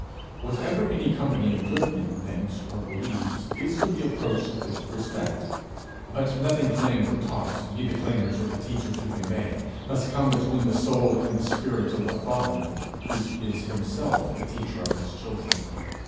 Whatever any company of good men thinks or believes, is to be approached with respect; but nothing claimed or taught, be the claimers or the teachers who they may, must come between the soul and the spirit of the father, who is himself the teacher of his children.